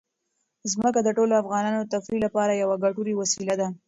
ځمکه د ټولو افغانانو د تفریح لپاره یوه ګټوره وسیله ده.